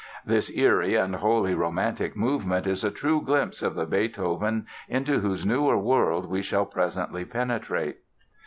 This eerie and wholly romantic movement is a true glimpse of the Beethoven into whose newer world we shall presently penetrate.